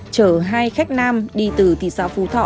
chở hai khách nam đi từ thị xã phú thọ